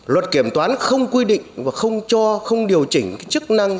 luật kiểm toán không quy định và không cho không điều chỉnh chức năng